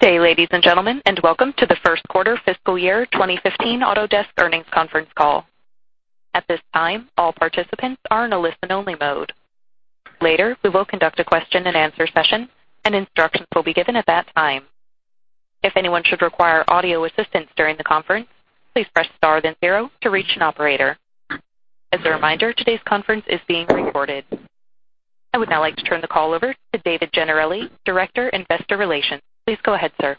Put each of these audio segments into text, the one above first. Good day, ladies and gentlemen, welcome to the first quarter fiscal year 2015 Autodesk earnings conference call. At this time, all participants are in a listen-only mode. Later, we will conduct a question-and-answer session, instructions will be given at that time. If anyone should require audio assistance during the conference, please press star then zero to reach an operator. As a reminder, today's conference is being recorded. I would now like to turn the call over to David Gennarelli, Director, Investor Relations. Please go ahead, sir.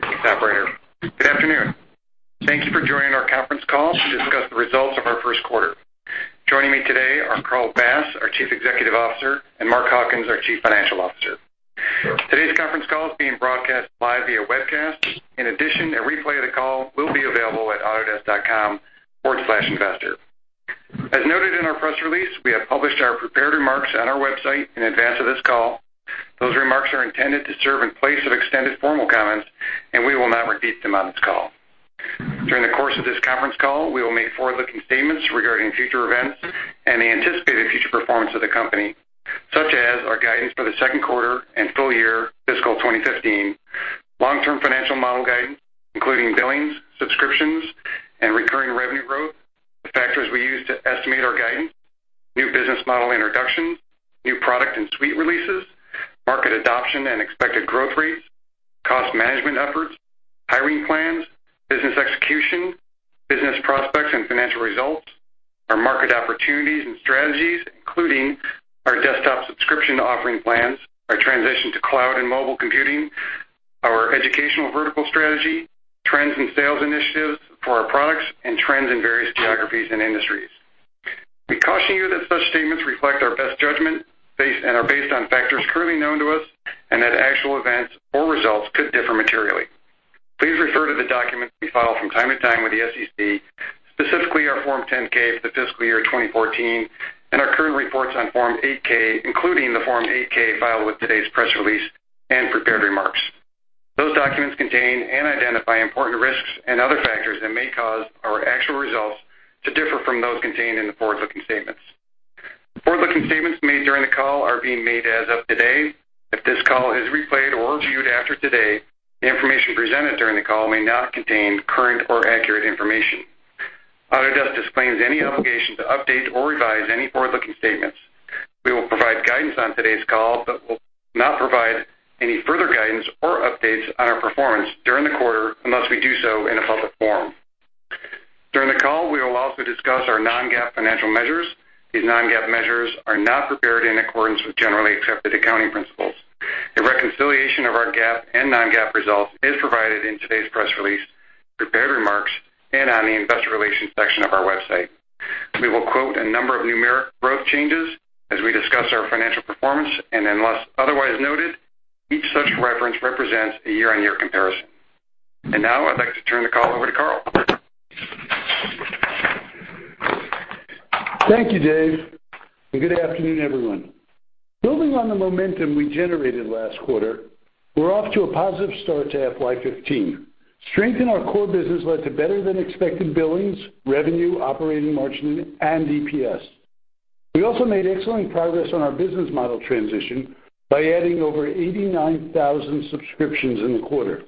Thanks, operator. Good afternoon. Thank you for joining our conference call to discuss the results of our first quarter. Joining me today are Carl Bass, our Chief Executive Officer, and Mark Hawkins, our Chief Financial Officer. Today's conference call is being broadcast live via webcast. In addition, a replay of the call will be available at autodesk.com/investor. As noted in our press release, we have published our prepared remarks on our website in advance of this call. Those remarks are intended to serve in place of extended formal comments, we will not repeat them on this call. During the course of this conference call, we will make forward-looking statements regarding future events and the anticipated future performance of the company, such as our guidance for the second quarter and full year fiscal 2015, long-term financial model guidance, including billings, subscriptions, and recurring revenue growth, the factors we use to estimate our guidance, new business model introductions, new product and suite releases, market adoption and expected growth rates, cost management efforts, hiring plans, business execution, business prospects and financial results, our market opportunities and strategies, including our desktop subscription offering plans, our transition to cloud and mobile computing, our educational vertical strategy, trends and sales initiatives for our products, and trends in various geographies and industries. We caution you that such statements reflect our best judgment and are based on factors currently known to us, and that actual events or results could differ materially. Please refer to the documents we file from time to time with the SEC, specifically our Form 10-K for the fiscal year 2014 and our current reports on Form 8-K, including the Form 8-K filed with today's press release and prepared remarks. Those documents contain and identify important risks and other factors that may cause our actual results to differ from those contained in the forward-looking statements. The forward-looking statements made during the call are being made as of today. If this call is replayed or reviewed after today, the information presented during the call may not contain current or accurate information. Autodesk disclaims any obligation to update or revise any forward-looking statements. We will provide guidance on today's call but will not provide any further guidance or updates on our performance during the quarter unless we do so in a public forum. During the call, we will also discuss our non-GAAP financial measures. These non-GAAP measures are not prepared in accordance with generally accepted accounting principles. A reconciliation of our GAAP and non-GAAP results is provided in today's press release, prepared remarks, and on the investor relations section of our website. We will quote a number of numeric growth changes as we discuss our financial performance, and unless otherwise noted, each such reference represents a year-on-year comparison. Now I'd like to turn the call over to Carl. Thank you, Dave, and good afternoon, everyone. Building on the momentum we generated last quarter, we're off to a positive start to FY 2015. Strength in our core business led to better-than-expected billings, revenue, operating margin, and EPS. We also made excellent progress on our business model transition by adding over 89,000 subscriptions in the quarter.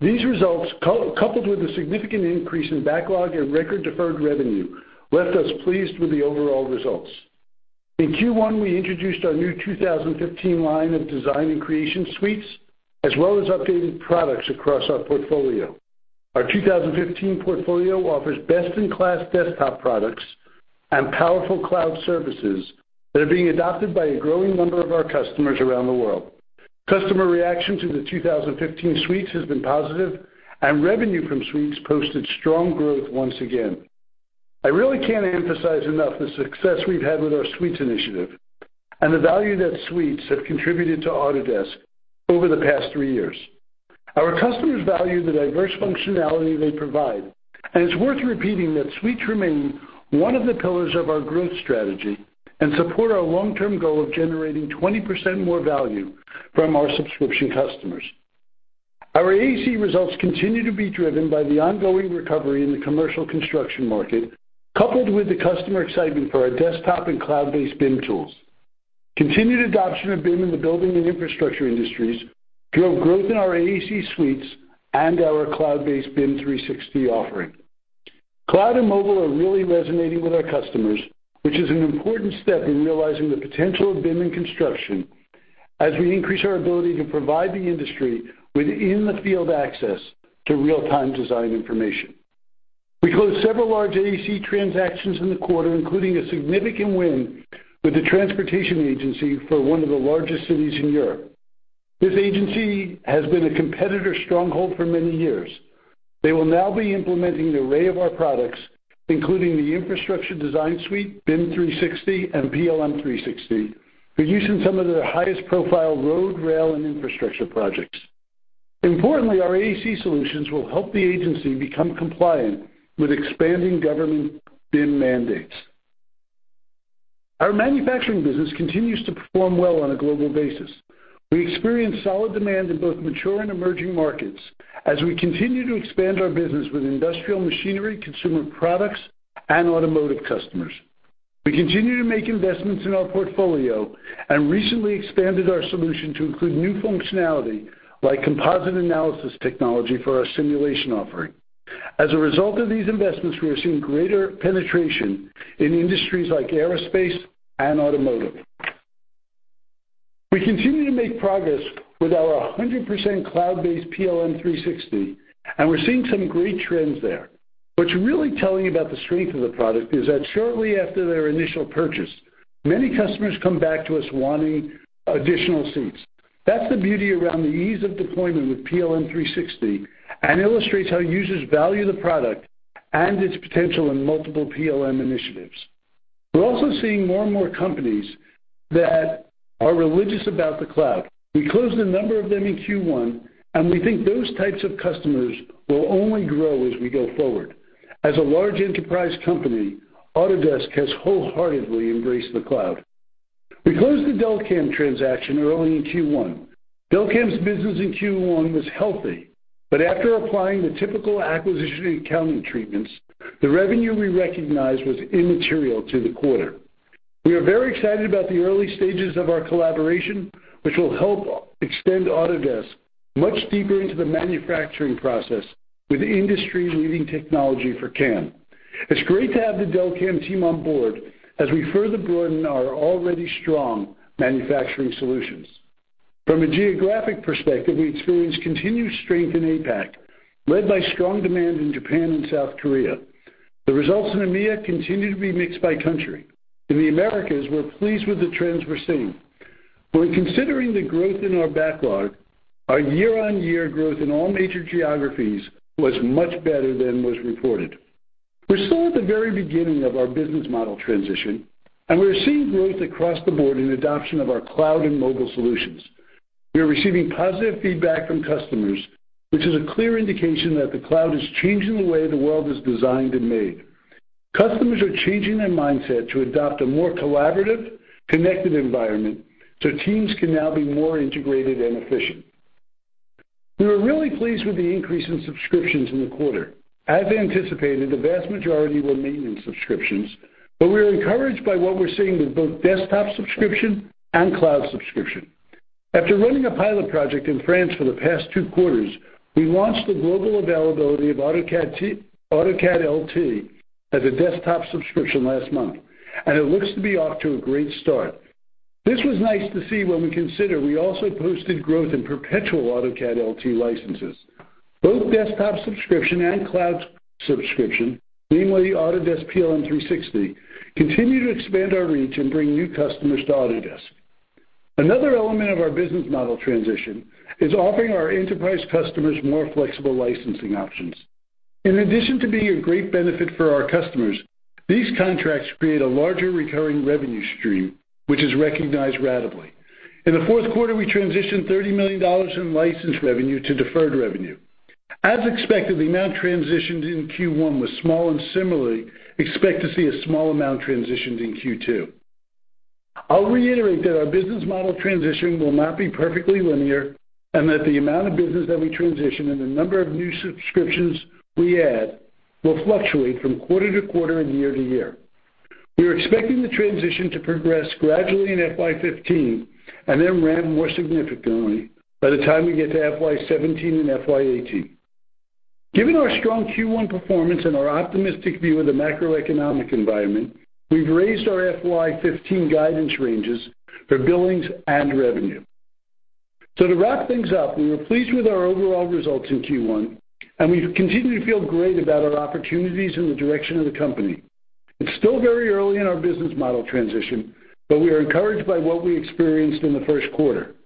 These results, coupled with a significant increase in backlog and record deferred revenue, left us pleased with the overall results. In Q1, we introduced our new 2015 line of design and creation suites, as well as updated products across our portfolio. Our 2015 portfolio offers best-in-class desktop products and powerful cloud services that are being adopted by a growing number of our customers around the world. Customer reaction to the 2015 suites has been positive, and revenue from suites posted strong growth once again. I really can't emphasize enough the success we've had with our suites initiative and the value that suites have contributed to Autodesk over the past three years. Our customers value the diverse functionality they provide, and it's worth repeating that suites remain one of the pillars of our growth strategy and support our long-term goal of generating 20% more value from our subscription customers. Our AEC results continue to be driven by the ongoing recovery in the commercial construction market, coupled with the customer excitement for our desktop and cloud-based BIM tools. Continued adoption of BIM in the building and infrastructure industries drove growth in our AEC suites and our cloud-based BIM 360 offering. Cloud and mobile are really resonating with our customers, which is an important step in realizing the potential of BIM in construction as we increase our ability to provide the industry with in-the-field access to real-time design information. We closed several large AEC transactions in the quarter, including a significant win with the transportation agency for one of the largest cities in Europe. This agency has been a competitor stronghold for many years. They will now be implementing an array of our products, including the Infrastructure Design Suite, BIM 360, and PLM 360, for use in some of their highest-profile road, rail, and infrastructure projects. Importantly, our AEC solutions will help the agency become compliant with expanding government BIM mandates. Our manufacturing business continues to perform well on a global basis. We experienced solid demand in both mature and emerging markets as we continue to expand our business with industrial machinery, consumer products, and automotive customers. We continue to make investments in our portfolio and recently expanded our solution to include new functionality like composite analysis technology for our simulation offering. As a result of these investments, we are seeing greater penetration in industries like aerospace and automotive. We continue to make progress with our 100% cloud-based PLM 360, and we're seeing some great trends there. What's really telling about the strength of the product is that shortly after their initial purchase, many customers come back to us wanting additional seats. That's the beauty around the ease of deployment with PLM 360 and illustrates how users value the product and its potential in multiple PLM initiatives. We're also seeing more and more companies that are religious about the cloud. We closed a number of them in Q1, we think those types of customers will only grow as we go forward. As a large enterprise company, Autodesk has wholeheartedly embraced the cloud. We closed the Delcam transaction early in Q1. Delcam's business in Q1 was healthy, after applying the typical acquisition accounting treatments, the revenue we recognized was immaterial to the quarter. We are very excited about the early stages of our collaboration, which will help extend Autodesk much deeper into the manufacturing process with industry-leading technology for CAM. It's great to have the Delcam team on board as we further broaden our already strong manufacturing solutions. From a geographic perspective, we experienced continued strength in APAC, led by strong demand in Japan and South Korea. The results in EMEA continue to be mixed by country. In the Americas, we're pleased with the trends we're seeing. When considering the growth in our backlog, our year-on-year growth in all major geographies was much better than was reported. We're still at the very beginning of our business model transition, we are seeing growth across the board in adoption of our cloud and mobile solutions. We are receiving positive feedback from customers, which is a clear indication that the cloud is changing the way the world is designed and made. Customers are changing their mindset to adopt a more collaborative, connected environment so teams can now be more integrated and efficient. We were really pleased with the increase in subscriptions in the quarter. As anticipated, the vast majority were maintenance subscriptions, we are encouraged by what we're seeing with both desktop subscription and cloud subscription. After running a pilot project in France for the past two quarters, we launched the global availability of AutoCAD LT as a desktop subscription last month, it looks to be off to a great start. This was nice to see when we consider we also posted growth in perpetual AutoCAD LT licenses. Both desktop subscription and cloud subscription, namely Autodesk PLM 360, continue to expand our reach and bring new customers to Autodesk. Another element of our business model transition is offering our enterprise customers more flexible licensing options. In addition to being a great benefit for our customers, these contracts create a larger recurring revenue stream, which is recognized ratably. In the fourth quarter, we transitioned $30 million in licensed revenue to deferred revenue. As expected, the amount transitioned in Q1 was small and similarly expect to see a small amount transitioned in Q2. I'll reiterate that our business model transitioning will not be perfectly linear and that the amount of business that we transition and the number of new subscriptions we add will fluctuate from quarter to quarter and year to year. We are expecting the transition to progress gradually in FY 2015 and then ramp more significantly by the time we get to FY 2017 and FY 2018. Given our strong Q1 performance and our optimistic view of the macroeconomic environment, we've raised our FY 2015 guidance ranges for billings and revenue. To wrap things up, we were pleased with our overall results in Q1, and we continue to feel great about our opportunities and the direction of the company. It's still very early in our business model transition, but we are encouraged by what we experienced in the first quarter.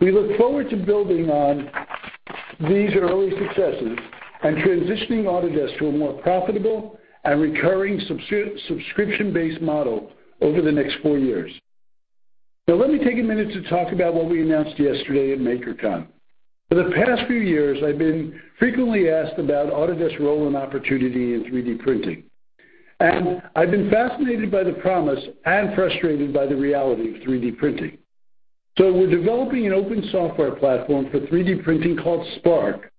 We look forward to building on these early successes and transitioning Autodesk to a more profitable and recurring subscription-based model over the next four years. Now, let me take a minute to talk about what we announced yesterday at MakerCon. For the past few years, I've been frequently asked about Autodesk role and opportunity in 3D printing. I've been fascinated by the promise and frustrated by the reality of 3D printing. We're developing an open software platform for 3D printing called Spark,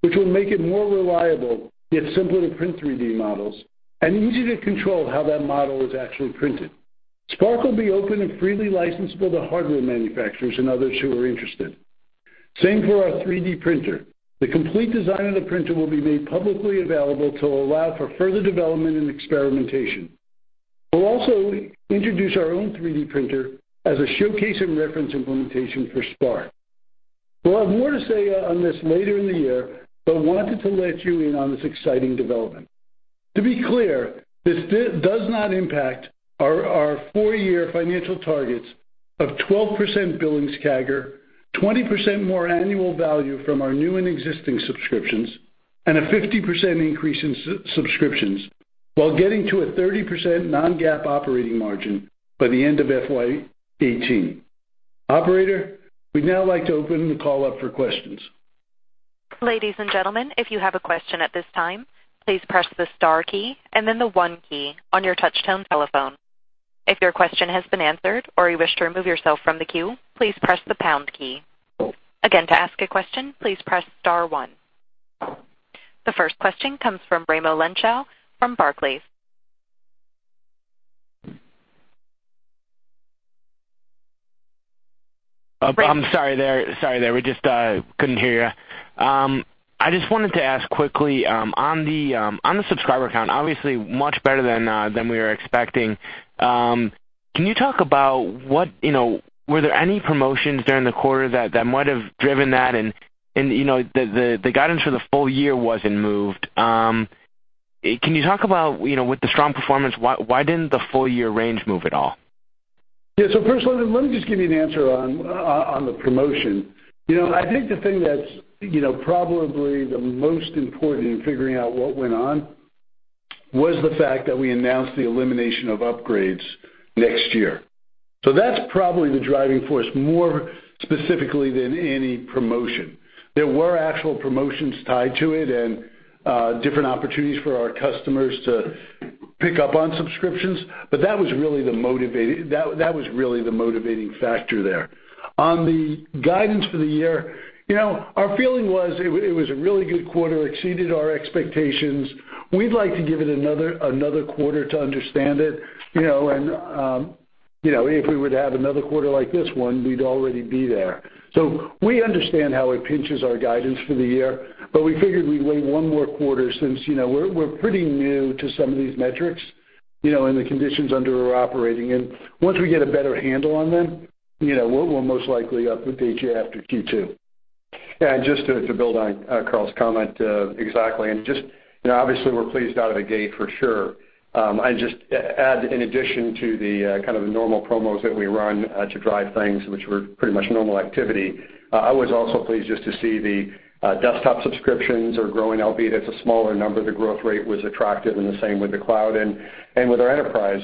which will make it more reliable, yet simple to print 3D models and easy to control how that model is actually printed. Spark will be open and freely licensable to hardware manufacturers and others who are interested. Same for our 3D printer. The complete design of the printer will be made publicly available to allow for further development and experimentation. We'll also introduce our own 3D printer as a showcase and reference implementation for Spark. We'll have more to say on this later in the year, but wanted to let you in on this exciting development. To be clear, this does not impact our four-year financial targets of 12% billings CAGR, 20% more annual value from our new and existing subscriptions, and a 50% increase in subscriptions while getting to a 30% non-GAAP operating margin by the end of FY 2018. Operator, we'd now like to open the call up for questions. Ladies and gentlemen, if you have a question at this time, please press the star key and then the one key on your touch tone telephone. If your question has been answered or you wish to remove yourself from the queue, please press the pound key. Again, to ask a question, please press star one. The first question comes from Raimo Lenschow from Barclays. I'm sorry there, we just couldn't hear you. I just wanted to ask quickly, on the subscriber count, obviously much better than we were expecting. Can you talk about were there any promotions during the quarter that might have driven that? The guidance for the full year wasn't moved. Can you talk about, with the strong performance, why didn't the full-year range move at all? Yeah. First, let me just give you an answer on the promotion. I think the thing that's probably the most important in figuring out what went on, was the fact that we announced the elimination of upgrades next year. That's probably the driving force, more specifically than any promotion. There were actual promotions tied to it and different opportunities for our customers to pick up on subscriptions, but that was really the motivating factor there. On the guidance for the year, our feeling was it was a really good quarter, exceeded our expectations. We'd like to give it another quarter to understand it. If we were to have another quarter like this one, we'd already be there. We understand how it pinches our guidance for the year, but we figured we'd wait one more quarter since we're pretty new to some of these metrics, and the conditions under we're operating in. Once we get a better handle on them, we'll most likely update you after Q2. Yeah, just to build on Carl's comment, exactly. Just, obviously, we're pleased out of the gate for sure. I'd just add, in addition to the kind of normal promos that we run to drive things which were pretty much normal activity, I was also pleased just to see the desktop subscriptions are growing, albeit it's a smaller number. The growth rate was attractive, and the same with the cloud and with our enterprise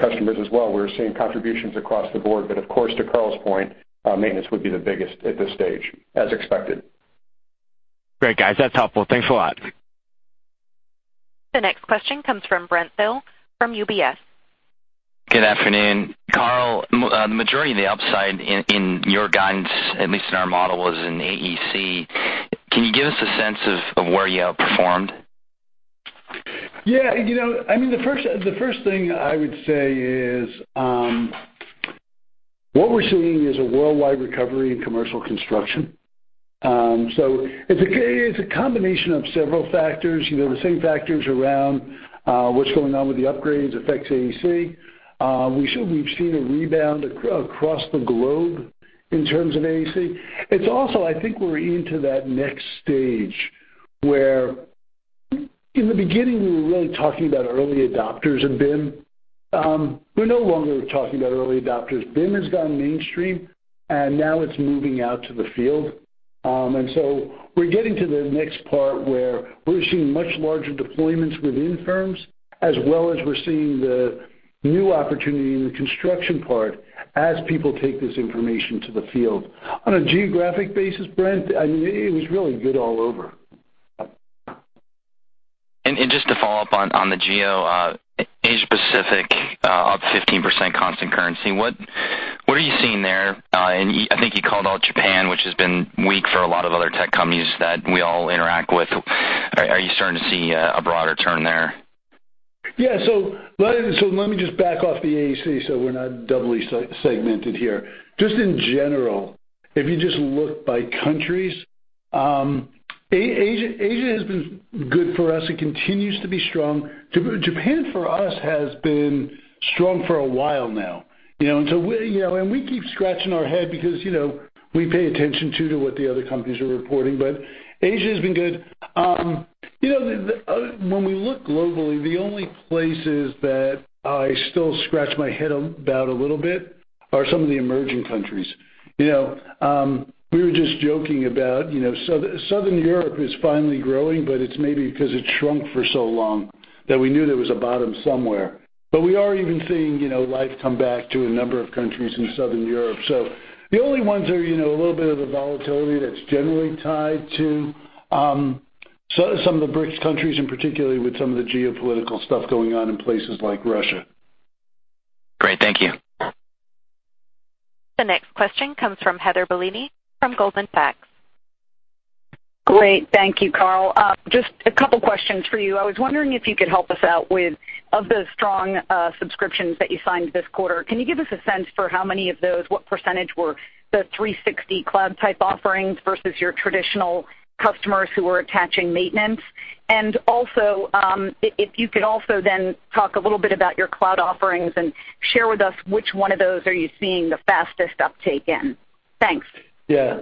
customers as well. We're seeing contributions across the board. Of course, to Carl's point, maintenance would be the biggest at this stage, as expected. Great, guys. That's helpful. Thanks a lot. The next question comes from Brent Thill from UBS. Good afternoon. Carl, the majority of the upside in your guidance, at least in our model, was in AEC. Can you give us a sense of where you outperformed? Yeah. The first thing I would say is, what we're seeing is a worldwide recovery in commercial construction. It's a combination of several factors, the same factors around what's going on with the upgrades affects AEC. We've seen a rebound across the globe in terms of AEC. It's also, I think we're into that next stage, where in the beginning, we were really talking about early adopters in BIM. We're no longer talking about early adopters. BIM has gone mainstream, and now it's moving out to the field. We're getting to the next part, where we're seeing much larger deployments within firms, as well as we're seeing the new opportunity in the construction part as people take this information to the field. On a geographic basis, Brent, it was really good all over. Just to follow up on the geo, Asia Pacific, up 15% constant currency. What are you seeing there? I think you called out Japan, which has been weak for a lot of other tech companies that we all interact with. Are you starting to see a broader turn there? Yeah. Let me just back off the AEC so we're not doubly segmented here. Just in general, if you just look by countries, Asia has been good for us and continues to be strong. Japan, for us, has been strong for a while now. We keep scratching our head because we pay attention, too, to what the other companies are reporting. Asia's been good. When we look globally, the only places that I still scratch my head about a little bit are some of the emerging countries. We were just joking about Southern Europe is finally growing, it's maybe because it shrunk for so long that we knew there was a bottom somewhere. We are even seeing life come back to a number of countries in Southern Europe. The only ones are a little bit of the volatility that's generally tied to some of the BRICS countries, and particularly with some of the geopolitical stuff going on in places like Russia. Great. Thank you. The next question comes from Heather Bellini from Goldman Sachs. Great. Thank you, Carl. Just a couple questions for you. I was wondering if you could help us out with, of the strong subscriptions that you signed this quarter, can you give us a sense for how many of those, what percentage were the 360 cloud-type offerings versus your traditional customers who are attaching maintenance? Also, if you could also talk a little bit about your cloud offerings and share with us which one of those are you seeing the fastest uptake in. Thanks. Yeah.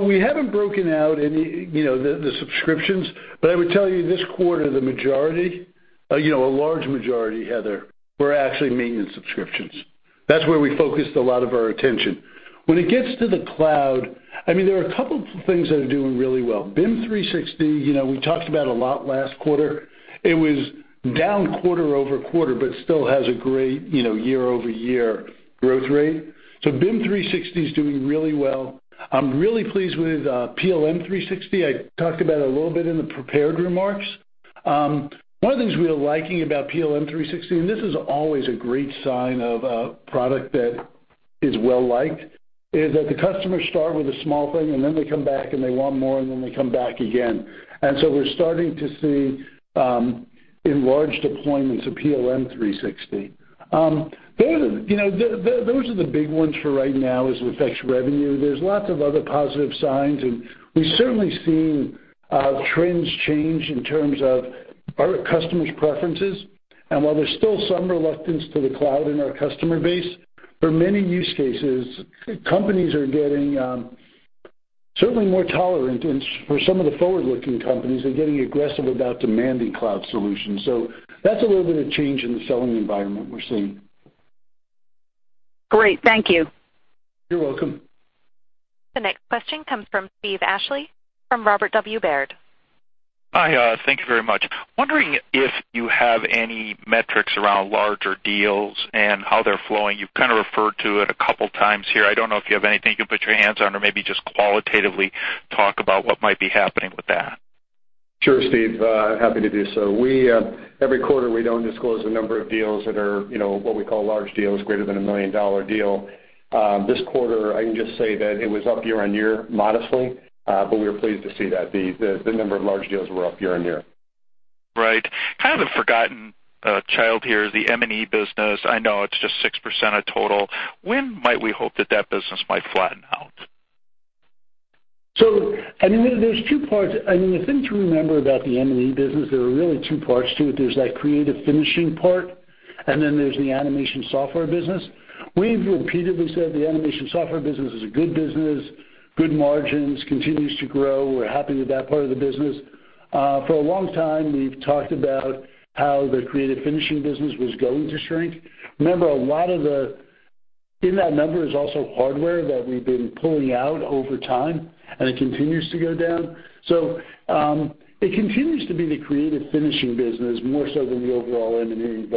We haven't broken out the subscriptions, but I would tell you this quarter, the majority, a large majority, Heather, were actually maintenance subscriptions. That's where we focused a lot of our attention. When it gets to the cloud, there are a couple things that are doing really well. BIM 360, we talked about a lot last quarter. It was down quarter-over-quarter, but still has a great year-over-year growth rate. BIM 360 is doing really well. I'm really pleased with PLM 360. I talked about it a little bit in the prepared remarks. One of the things we are liking about PLM 360, and this is always a great sign of a product that is well-liked, is that the customers start with a small thing, then they come back and they want more, then they come back again. We're starting to see enlarged deployments of PLM 360. Those are the big ones for right now as it affects revenue. There's lots of other positive signs, and we've certainly seen trends change in terms of our customers' preferences. While there's still some reluctance to the cloud in our customer base, for many use cases, companies are getting certainly more tolerant, and for some of the forward-looking companies, are getting aggressive about demanding cloud solutions. That's a little bit of change in the selling environment we're seeing. Great. Thank you. You're welcome. The next question comes from Steven Ashley from Robert W. Baird. Hi. Thank you very much. Wondering if you have any metrics around larger deals and how they're flowing. You've kind of referred to it a couple of times here. I don't know if you have anything you can put your hands on or maybe just qualitatively talk about what might be happening with that. Sure, Steve. Happy to do so. Every quarter, we don't disclose the number of deals that are what we call large deals, greater than a $1 million deal. This quarter, I can just say that it was up year-on-year modestly. We were pleased to see that the number of large deals were up year-on-year. Right. Kind of a forgotten child here is the M&E business. I know it's just 6% of total. When might we hope that that business might flatten out? There's two parts. The thing to remember about the M&E business, there are really two parts to it. There's that creative finishing part, and then there's the animation software business. We've repeatedly said the animation software business is a good business, good margins, continues to grow. We're happy with that part of the business. For a long time, we've talked about how the creative finishing business was going to shrink. Remember, in that number is also hardware that we've been pulling out over time, and it continues to go down. It continues to be the creative finishing business, more so than the overall M&E.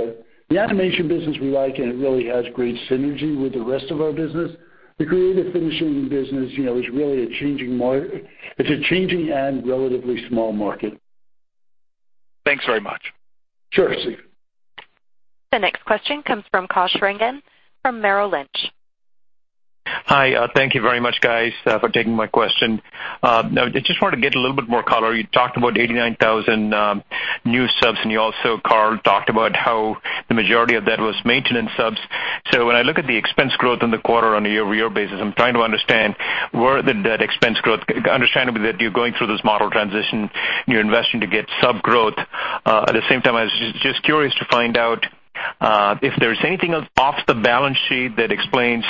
The animation business we like, and it really has great synergy with the rest of our business. The creative finishing business, it's a changing and relatively small market. Thanks very much. Sure, Steve. The next question comes from Kash Rangan from Merrill Lynch. Hi. Thank you very much, guys, for taking my question. I just wanted to get a little bit more color. You talked about 89,000 new subs, and you also, Carl, talked about how the majority of that was maintenance subs. When I look at the expense growth in the quarter on a year-over-year basis, I'm trying to understand where that expense growth-- understandably, that you're going through this model transition, and you're investing to get sub growth. At the same time, I was just curious to find out if there's anything off the balance sheet that explains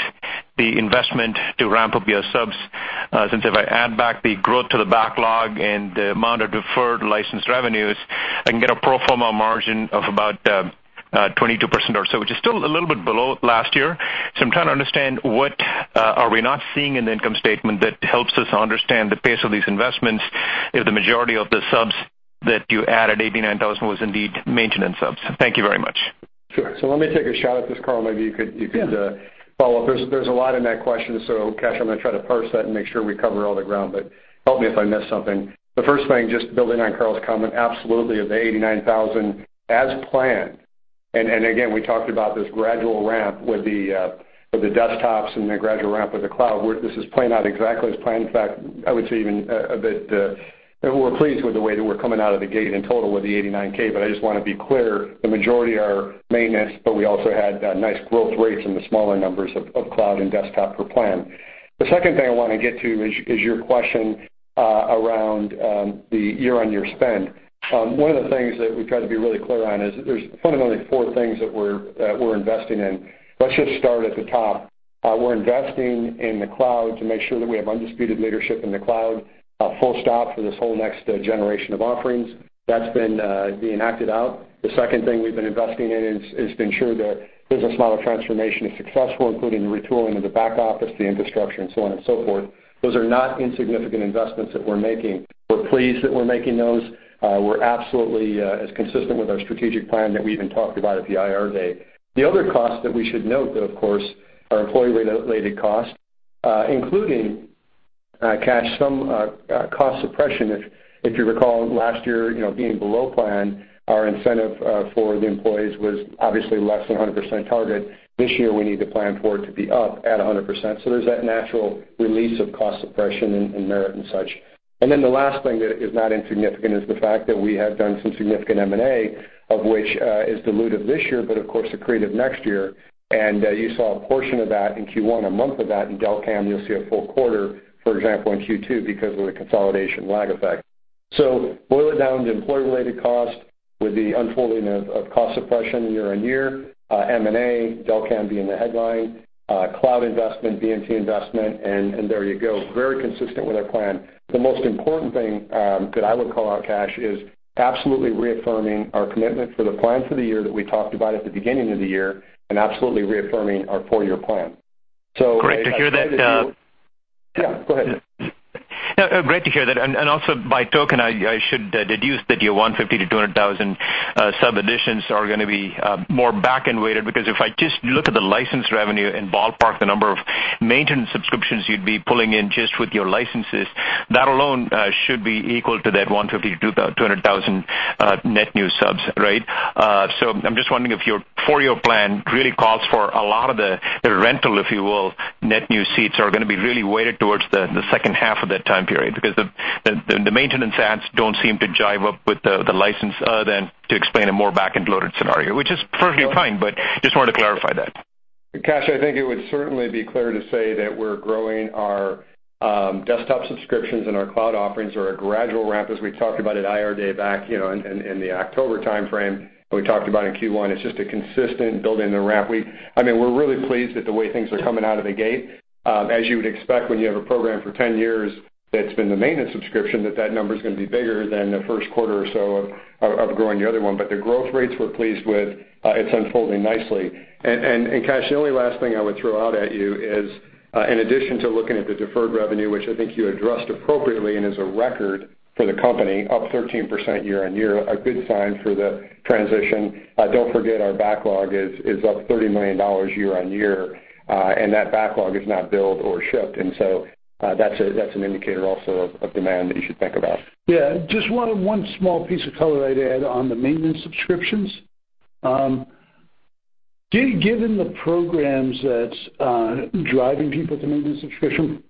the investment to ramp up your subs, since if I add back the growth to the backlog and the amount of deferred licensed revenues, I can get a pro forma margin of about 22% or so, which is still a little bit below last year. I'm trying to understand what are we not seeing in the income statement that helps us understand the pace of these investments, if the majority of the subs that you added, 89,000, was indeed maintenance subs. Thank you very much. Sure. Let me take a shot at this, Carl. Maybe you could- Yeah. follow up. There is a lot in that question, Kash, I am going to try to parse that and make sure we cover all the ground, but help me if I miss something. The first thing, just building on Carl's comment, absolutely of the 89,000, as planned, and again, we talked about this gradual ramp with the desktops and the gradual ramp with the cloud, this is playing out exactly as planned. In fact, I would say even a bit, we are pleased with the way that we are coming out of the gate in total with the 89K. I just want to be clear, the majority are maintenance, but we also had nice growth rates in the smaller numbers of cloud and desktop per plan. The second thing I want to get to is your question around the year-on-year spend. One of the things that we try to be really clear on is there is fundamentally four things that we are investing in. Let us just start at the top. We are investing in the cloud to make sure that we have undisputed leadership in the cloud, full stop for this whole next generation of offerings. That has been being acted out. The second thing we have been investing in is to ensure the Business Model Transformation is successful, including the retooling of the back office, the infrastructure, and so on and so forth. Those are not insignificant investments that we are making. We are pleased that we are making those. We are absolutely as consistent with our strategic plan that we even talked about at the Investor Day. The other cost that we should note, though, of course, are employee-related costs, including, Kash, some cost suppression. If you recall last year, being below plan, our incentive for the employees was obviously less than 100% target. This year, we need to plan for it to be up at 100%. There is that natural release of cost suppression in merit and such. The last thing that is not insignificant is the fact that we have done some significant M&A, of which is dilutive this year, but of course, accretive next year. You saw a portion of that in Q1, a month of that in Delcam. You will see a full quarter, for example, in Q2 because of the consolidation lag effect. Boil it down to employee-related cost with the unfolding of cost suppression year-on-year, M&A, Delcam being the headline, cloud investment, BMT investment, and there you go. Very consistent with our plan. The most important thing that I would call out, Kash, is absolutely reaffirming our commitment for the plan for the year that we talked about at the beginning of the year, and absolutely reaffirming our four-year plan. Great to hear that. Yeah, go ahead. No, great to hear that. Also, by token, I should deduce that your 150,000-200,000 sub additions are going to be more back-end weighted, because if I just look at the license revenue and ballpark the number of Maintenance subscriptions you'd be pulling in just with your licenses. That alone should be equal to that 150,000-200,000 net new subs, right? I'm just wondering if your four-year plan really calls for a lot of the rental, if you will, net new seats are going to be really weighted towards the second half of that time period. The maintenance adds don't seem to jibe up with the license then to explain a more backend-loaded scenario. That is perfectly fine, but just wanted to clarify that. Kash, I think it would certainly be clear to say that we're growing our desktop subscriptions and our cloud offerings are a gradual ramp, as we talked about at Investor Day back in the October timeframe, and we talked about in Q1. It's just a consistent building the ramp. We're really pleased with the way things are coming out of the gate. As you would expect when you have a program for 10 years that's been the maintenance subscription, that number's going to be bigger than the first quarter or so of growing the other one. The growth rates we're pleased with, it's unfolding nicely. Kash, the only last thing I would throw out at you is, in addition to looking at the deferred revenue, which I think you addressed appropriately and is a record for the company, up 13% year-on-year, a good sign for the transition. Don't forget our backlog is up $30 million year-on-year. That backlog is not billed or shipped. That's an indicator also of demand that you should think about. Just one small piece of color I'd add on the maintenance subscriptions. Given the programs that's driving people to maintenance subscription,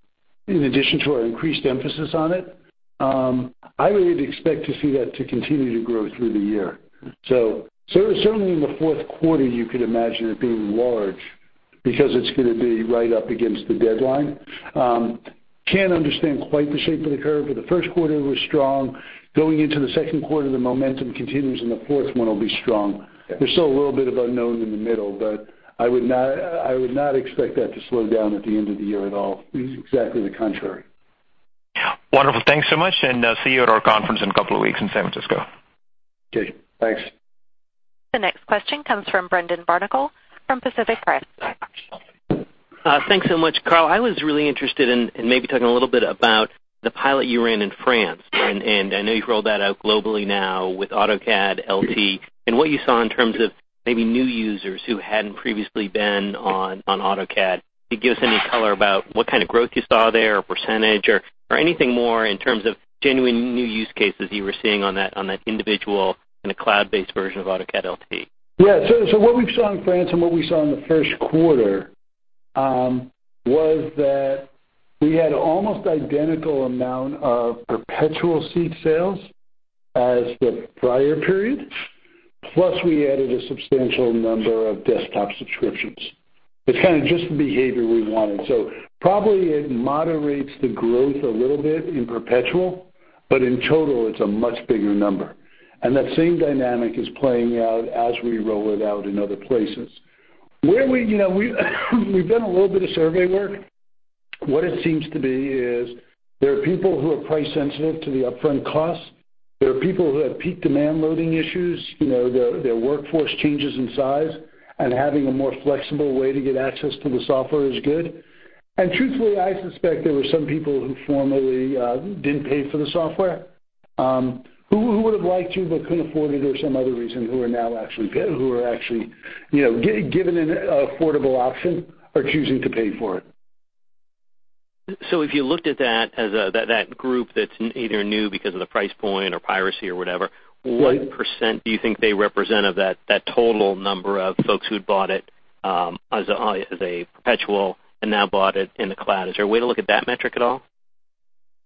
in addition to our increased emphasis on it, I would expect to see that to continue to grow through the year. Certainly in the fourth quarter, you could imagine it being large because it's going to be right up against the deadline. I cannot understand quite the shape of the curve, the first quarter was strong. Going into the second quarter, the momentum continues, the fourth one will be strong. Yeah. There's still a little bit of unknown in the middle, but I would not expect that to slow down at the end of the year at all. Exactly the contrary. Wonderful. Thanks so much, and I'll see you at our conference in a couple of weeks in San Francisco. Okay, thanks. The next question comes from Brendan Barnicle from Pacific Crest. Thanks so much. Carl, I was really interested in maybe talking a little bit about the pilot you ran in France, and I know you've rolled that out globally now with AutoCAD LT, and what you saw in terms of maybe new users who hadn't previously been on AutoCAD. Can you give us any color about what kind of growth you saw there, or % or anything more in terms of genuine new use cases you were seeing on that individual in a cloud-based version of AutoCAD LT? Yeah. What we've saw in France and what we saw in the first quarter was that we had almost identical amount of perpetual seat sales as the prior period. Plus, we added a substantial number of desktop subscriptions. It's kind of just the behavior we wanted. Probably it moderates the growth a little bit in perpetual, but in total it's a much bigger number. That same dynamic is playing out as we roll it out in other places. We've done a little bit of survey work. What it seems to be is there are people who are price sensitive to the upfront costs. There are people who have peak demand loading issues. Their workforce changes in size and having a more flexible way to get access to the software is good. Truthfully, I suspect there were some people who formerly didn't pay for the software, who would've liked to but couldn't afford it or some other reason, who are now actually given an affordable option, are choosing to pay for it. If you looked at that group that's either new because of the price point or piracy or whatever, what % do you think they represent of that total number of folks who'd bought it as a perpetual and now bought it in the cloud? Is there a way to look at that metric at all?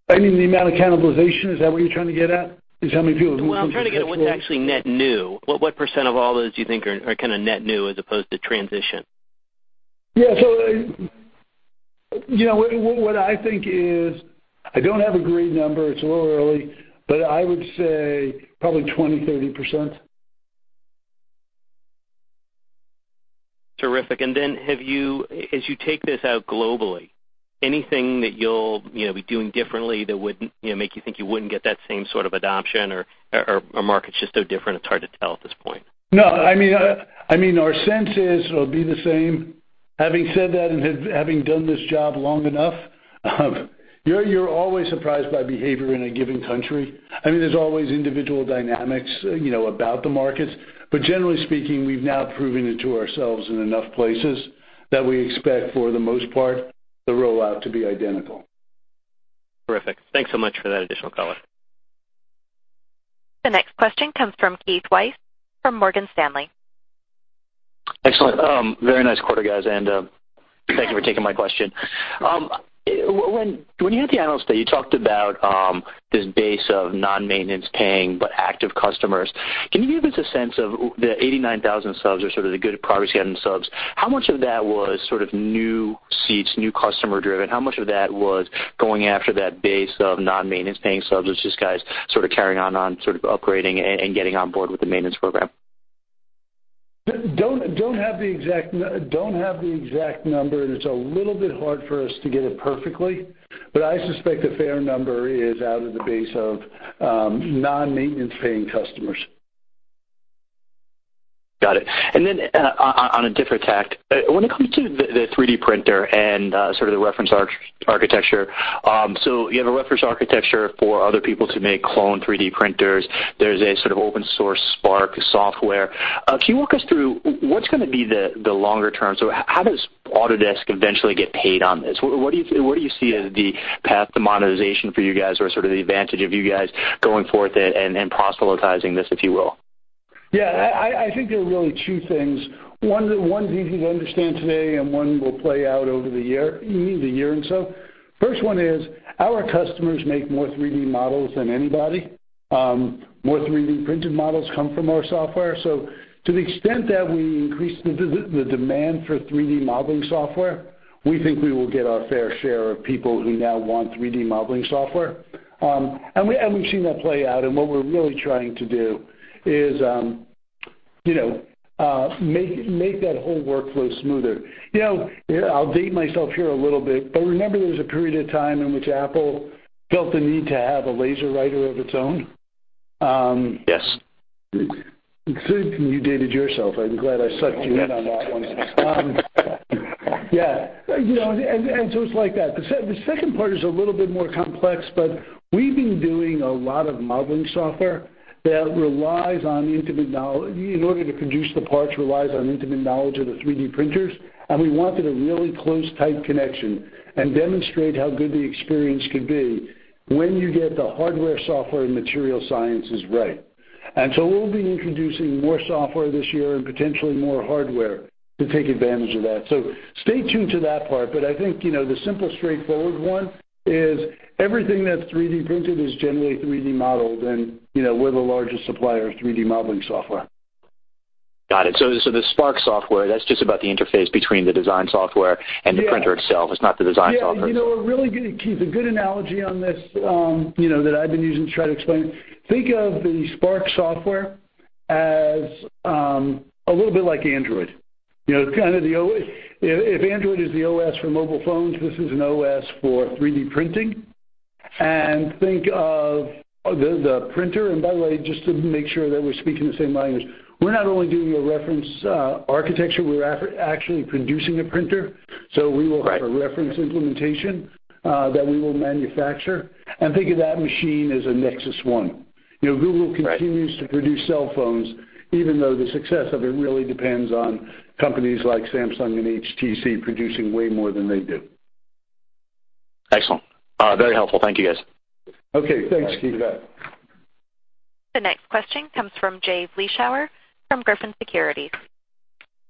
Meaning the amount of cannibalization, is that what you're trying to get at? Is how many people who Well, I'm trying to get at what's actually net new. What % of all those do you think are net new as opposed to transition? Yeah. What I think is, I don't have a great number, it's a little early, but I would say probably 20%-30%. Terrific. As you take this out globally, anything that you'll be doing differently that would make you think you wouldn't get that same sort of adoption or market's just so different it's hard to tell at this point? No. Our sense is it'll be the same. Having said that, and having done this job long enough you're always surprised by behavior in a given country. There's always individual dynamics about the markets. Generally speaking, we've now proven it to ourselves in enough places that we expect for the most part, the rollout to be identical. Terrific. Thanks so much for that additional color. The next question comes from Keith Weiss from Morgan Stanley. Excellent. Very nice quarter, guys. Thank you for taking my question. When you had the Investor Day, you talked about this base of non-maintenance paying, but active customers. Can you give us a sense of the 89,000 subs or sort of the good progress you had on the subs, how much of that was sort of new seats, new customer-driven? How much of that was going after that base of non-maintenance paying subs? Was this guys sort of carrying on sort of upgrading and getting on board with the maintenance program? Don't have the exact number, and it's a little bit hard for us to get it perfectly, but I suspect a fair number is out of the base of non-maintenance paying customers. Got it. On a different tack, when it comes to the 3D printer and sort of the reference architecture, you have a reference architecture for other people to make clone 3D printers. There's a sort of open source Spark software. Can you walk us through what's going to be the longer term? How does Autodesk eventually get paid on this? What do you see as the path to monetization for you guys or sort of the advantage of you guys going forth and proselytizing this, if you will? Yeah, I think there are really two things. One's easy to understand today, and one will play out over the year. First one is our customers make more 3D models than anybody. More 3D-printed models come from our software. To the extent that we increase the demand for 3D modeling software, we think we will get our fair share of people who now want 3D modeling software. We've seen that play out, and what we're really trying to do is make that whole workflow smoother. I'll date myself here a little bit, but remember, there was a period of time in which Apple felt the need to have a LaserWriter of its own. Yes. Good. You dated yourself. I'm glad I sucked you in on that one. Yeah. It's like that. The second part is a little bit more complex, but we've been doing a lot of modeling software that relies on intimate knowledge of the 3D printers, and we wanted a really close, tight connection and demonstrate how good the experience could be when you get the hardware, software, and material sciences right. We'll be introducing more software this year and potentially more hardware to take advantage of that. Stay tuned to that part. I think, the simple, straightforward one is everything that's 3D printed is generally 3D modeled, and we're the largest supplier of 3D modeling software. Got it. The Spark software, that's just about the interface between the design software and. Yeah The printer itself. It's not the design software. Yeah. A really good, Keith, a good analogy on this that I've been using to try to explain it. Think of the Spark software as a little bit like Android. If Android is the OS for mobile phones, this is an OS for 3D printing. Think of the printer, and by the way, just to make sure that we're speaking the same language, we're not only doing a reference architecture, we're actually producing a printer. Right. We will have a reference implementation that we will manufacture. Think of that machine as a Nexus One. Right. Google continues to produce cell phones, even though the success of it really depends on companies like Samsung and HTC producing way more than they do. Excellent. Very helpful. Thank you, guys. Okay. Thanks, Keith. The next question comes from Jay Vleeschhouwer from Griffin Securities.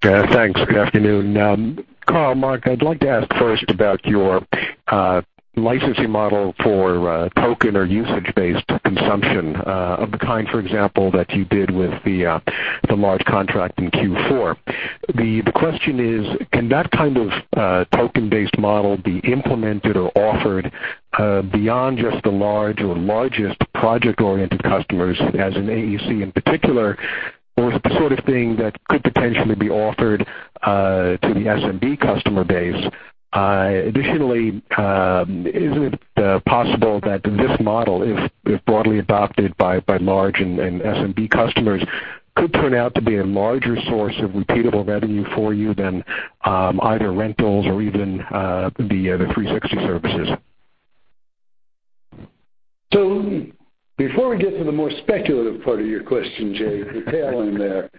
Yeah, thanks. Good afternoon. Carl, Mark, I'd like to ask first about your licensing model for token or usage-based consumption of the kind, for example, that you did with the large contract in Q4. The question is, can that kind of token-based model be implemented or offered beyond just the large or largest project-oriented customers as an AEC in particular, or is the sort of thing that could potentially be offered to the SMB customer base? Additionally, is it possible that this model, if broadly adopted by large and SMB customers, could turn out to be a larger source of repeatable revenue for you than either rentals or even the 360 services? Before we get to the more speculative part of your question, Jay, the tail end there.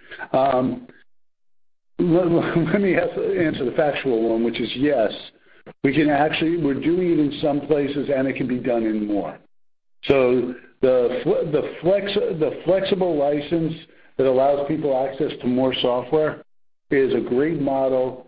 Let me answer the factual one, which is yes. We can. We're doing it in some places, and it can be done in more. The flexible license that allows people access to more software is a great model.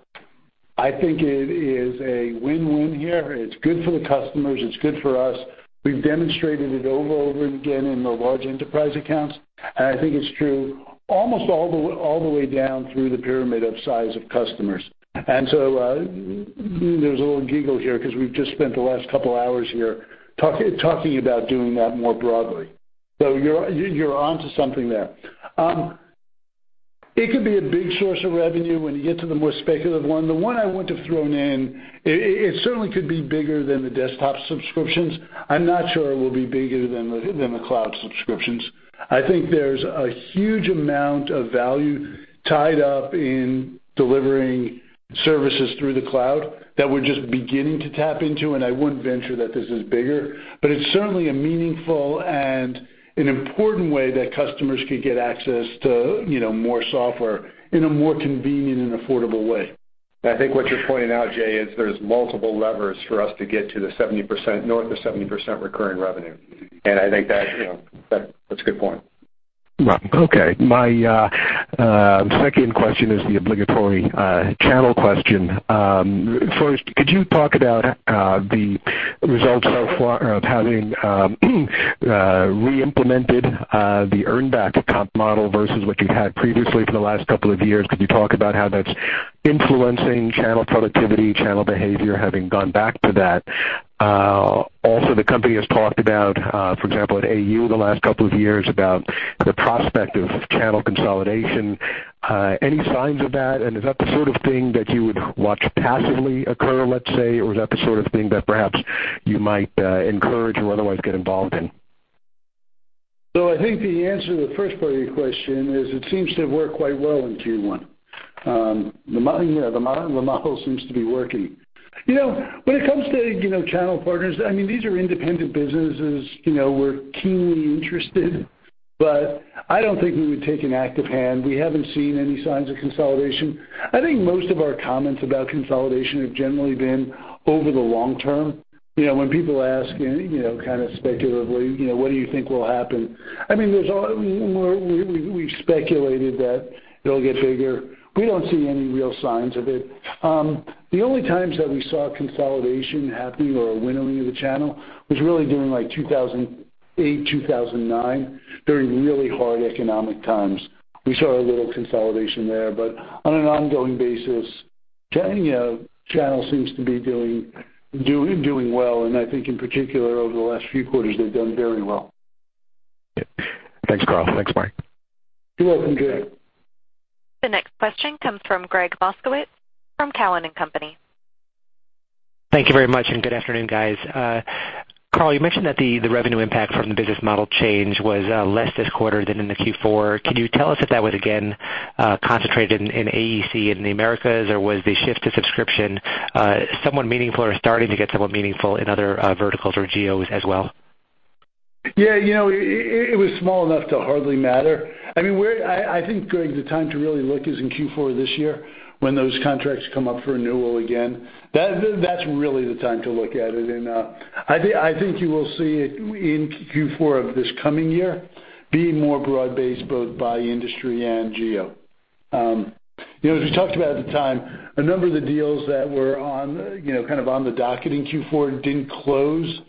I think it is a win-win here. It's good for the customers. It's good for us. We've demonstrated it over and again in the large enterprise accounts, and I think it's true almost all the way down through the pyramid of size of customers. There's a little giggle here because we've just spent the last couple of hours here talking about doing that more broadly. You're onto something there. It could be a big source of revenue when you get to the more speculative one. The one I want to throw in, it certainly could be bigger than the desktop subscriptions. I'm not sure it will be bigger than the cloud subscriptions. I think there's a huge amount of value tied up in delivering services through the cloud that we're just beginning to tap into, and I wouldn't venture that this is bigger. It's certainly a meaningful and an important way that customers could get access to more software in a more convenient and affordable way. I think what you're pointing out, Jay, is there's multiple levers for us to get to the 70%, north of 70% recurring revenue. I think that's a good point. Okay. My second question is the obligatory channel question. First, could you talk about the results so far of having re-implemented the earn back comp model versus what you had previously for the last couple of years? Could you talk about how that's influencing channel productivity, channel behavior, having gone back to that? Also, the company has talked about, for example, at AU the last couple of years, about the prospect of channel consolidation. Any signs of that, and is that the sort of thing that you would watch passively occur, let's say? Or is that the sort of thing that perhaps you might encourage or otherwise get involved in? I think the answer to the first part of your question is it seems to have worked quite well in Q1. The model seems to be working. When it comes to channel partners, these are independent businesses. We're keenly interested, but I don't think we would take an active hand. We haven't seen any signs of consolidation. I think most of our comments about consolidation have generally been over the long term. When people ask kind of speculatively, "What do you think will happen?" We've speculated that it'll get bigger. We don't see any real signs of it. The only times that we saw consolidation happening or a winnowing of the channel was really during 2008, 2009, during really hard economic times. We saw a little consolidation there, but on an ongoing basis, channel seems to be doing well, and I think in particular, over the last few quarters, they've done very well. Thanks, Carl. Thanks, Mark. You're welcome, Jay. The next question comes from Gregg Moskowitz from Cowen and Company. Thank you very much, and good afternoon, guys. Carl, you mentioned that the revenue impact from the business model change was less this quarter than in the Q4. Can you tell us if that was, again, concentrated in AEC in the Americas, or was the shift to subscription somewhat meaningful or starting to get somewhat meaningful in other verticals or geos as well? Yeah, it was small enough to hardly matter. I think, Gregg, the time to really look is in Q4 of this year when those contracts come up for renewal again. That's really the time to look at it. I think you will see it in Q4 of this coming year being more broad-based both by industry and geo. As we talked about at the time, a number of the deals that were on the docket in Q4 didn't close.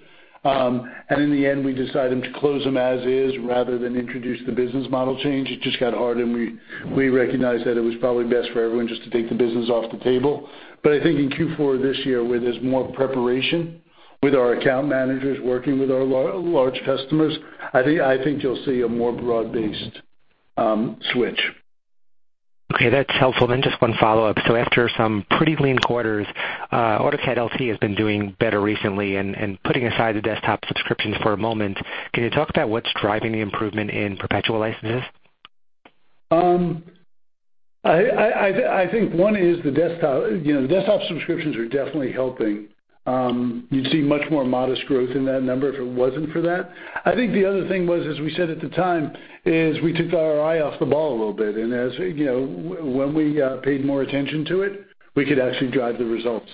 In the end, we decided to close them as is rather than introduce the business model change. It just got hard, and we recognized that it was probably best for everyone just to take the business off the table. I think in Q4 this year, where there's more preparation with our account managers working with our large customers, I think you'll see a more broad-based switch. Okay, that's helpful. Just one follow-up. After some pretty lean quarters, AutoCAD LT has been doing better recently. Putting aside the desktop subscriptions for a moment, can you talk about what's driving the improvement in perpetual licenses? I think one is the desktop. Desktop subscriptions are definitely helping. You'd see much more modest growth in that number if it wasn't for that. I think the other thing was, as we said at the time, is we took our eye off the ball a little bit, and when we paid more attention to it, we could actually drive the results.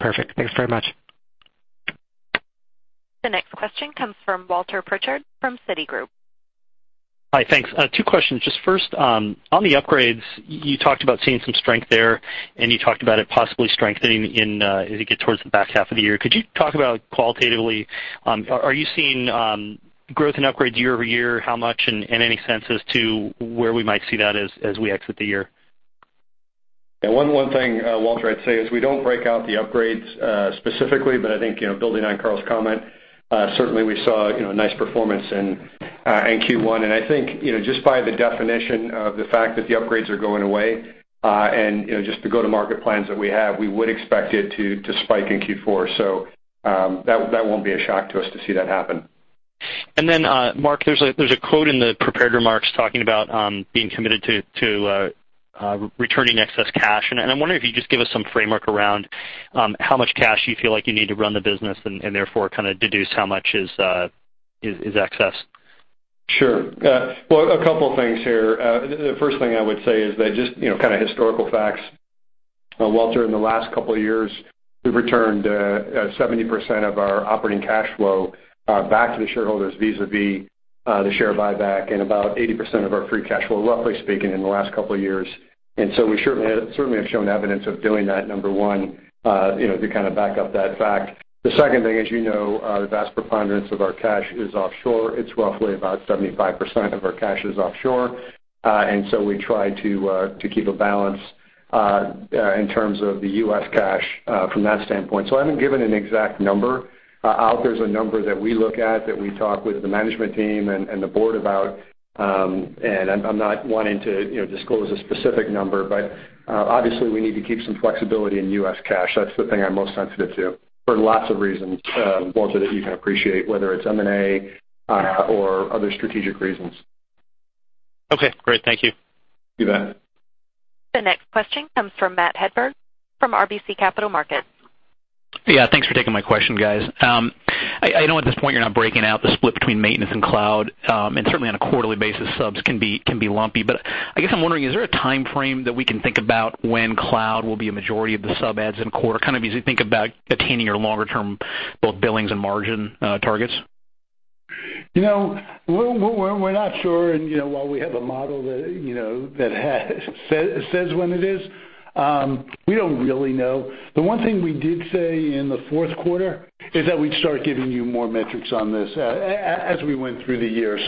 Perfect. Thanks very much. The next question comes from Walter Pritchard from Citigroup. Hi, thanks. Two questions. Just first, on the upgrades, you talked about seeing some strength there, and you talked about it possibly strengthening as you get towards the back half of the year. Could you talk about qualitatively, are you seeing growth in upgrades year-over-year? How much, and any sense as to where we might see that as we exit the year? One thing, Walter, I'd say is we don't break out the upgrades specifically, but I think, building on Carl's comment, certainly we saw a nice performance in Q1. I think, just by the definition of the fact that the upgrades are going away, and just the go-to-market plans that we have, we would expect it to spike in Q4. That won't be a shock to us to see that happen. Mark, there's a quote in the prepared remarks talking about being committed to returning excess cash. I'm wondering if you could just give us some framework around how much cash you feel like you need to run the business and therefore deduce how much is excess. Sure. Well, a couple things here. The first thing I would say is that just historical facts, Walter, in the last couple of years, we've returned 70% of our operating cash flow back to the shareholders vis-a-vis the share buyback and about 80% of our free cash flow, roughly speaking, in the last couple of years. We certainly have shown evidence of doing that, number one, to back up that fact. The second thing, as you know, the vast preponderance of our cash is offshore. It's roughly about 75% of our cash is offshore. We try to keep a balance in terms of the U.S. cash from that standpoint. I haven't given an exact number out. There's a number that we look at, that we talk with the management team and the board about. I'm not wanting to disclose a specific number, obviously we need to keep some flexibility in U.S. cash. That's the thing I'm most sensitive to, for lots of reasons, Walter, that you can appreciate, whether it's M&A or other strategic reasons. Okay, great. Thank you. You bet. The next question comes from Matthew Hedberg from RBC Capital Markets. Yeah, thanks for taking my question, guys. I know at this point you're not breaking out the split between maintenance and cloud. Certainly, on a quarterly basis, subs can be lumpy. I guess I'm wondering, is there a timeframe that we can think about when cloud will be a majority of the sub adds in core? As you think about attaining your longer-term both billings and margin targets? We're not sure. While we have a model that says when it is, we don't really know. The one thing we did say in the fourth quarter is that we'd start giving you more metrics on this as we went through the year.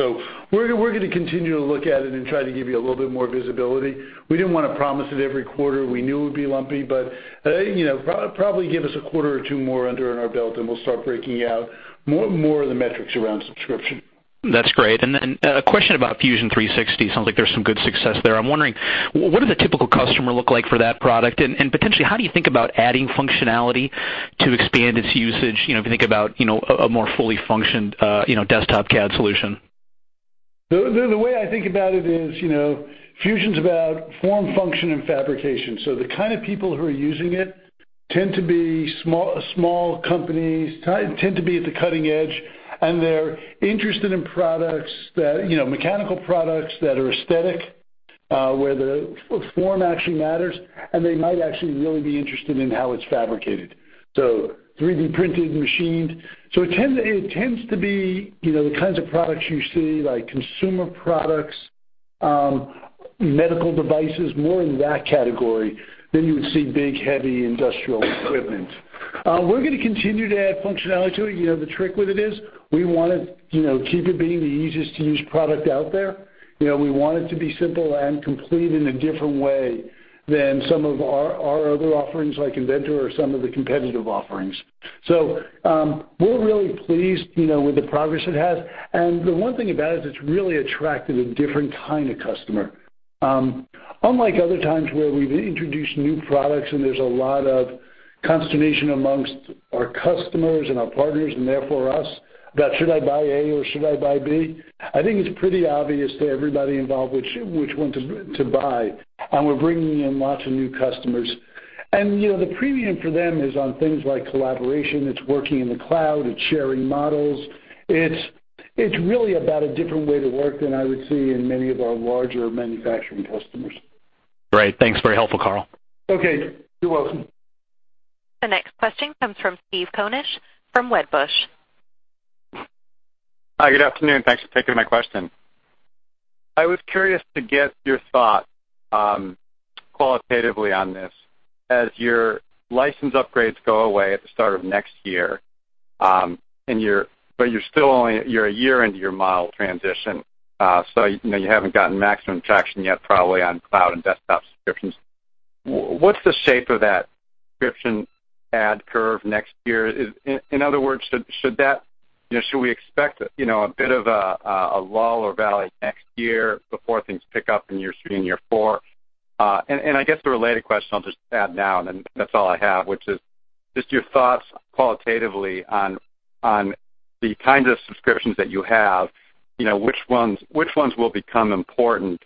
We're going to continue to look at it and try to give you a little bit more visibility. We didn't want to promise it every quarter. We knew it would be lumpy, probably give us a quarter or two more under in our belt, we'll start breaking out more and more of the metrics around subscription. That's great. A question about Fusion 360. Sounds like there's some good success there. I'm wondering, what does a typical customer look like for that product? Potentially, how do you think about adding functionality to expand its usage if you think about a more fully functioned desktop CAD solution? The way I think about it is, Fusion's about form, function, and fabrication. The kind of people who are using it tend to be small companies, tend to be at the cutting edge, and they're interested in mechanical products that are aesthetic, where the form actually matters, and they might actually really be interested in how it's fabricated. 3D printed, machined. It tends to be the kinds of products you see, like consumer products, medical devices, more in that category than you would see big, heavy industrial equipment. We're going to continue to add functionality to it. The trick with it is we want to keep it being the easiest-to-use product out there. We want it to be simple and complete in a different way than some of our other offerings, like Inventor or some of the competitive offerings. We're really pleased with the progress it has. The one thing about it is it's really attracted a different kind of customer. Unlike other times where we've introduced new products and there's a lot of consternation amongst our customers and our partners and therefore us, about should I buy A or should I buy B, I think it's pretty obvious to everybody involved which one to buy. We're bringing in lots of new customers. The premium for them is on things like collaboration. It's working in the cloud. It's sharing models. It's really about a different way to work than I would see in many of our larger manufacturing customers. Great. Thanks. Very helpful, Carl. Okay. You're welcome. The next question comes from Steve Koenig from Wedbush. Hi, good afternoon. Thanks for taking my question. I was curious to get your thoughts qualitatively on this. As your license upgrades go away at the start of next year, but you're a year into your model transition, so you haven't gotten maximum traction yet probably on cloud and desktop subscriptions. What's the shape of that subscription add curve next year? In other words, should we expect a bit of a lull or valley next year before things pick up in year three and year four? I guess the related question I'll just add now, and then that's all I have, which is just your thoughts qualitatively on the kinds of subscriptions that you have, which ones will become important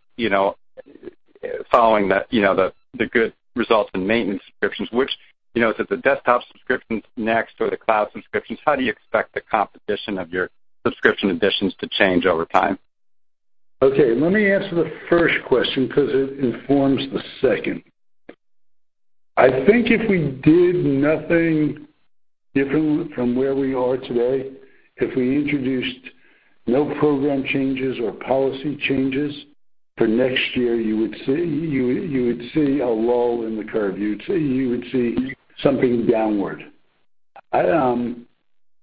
following the good results in maintenance subscriptions. Is it the desktop subscriptions next or the cloud subscriptions? How do you expect the composition of your subscription additions to change over time? Let me answer the first question because it informs the second. I think if we did nothing different from where we are today, if we introduced no program changes or policy changes for next year, you would see a lull in the curve. You would see something downward.